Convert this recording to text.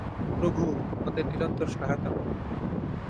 প্রভু আপনাদের নিরন্তর সহায়তা করুন।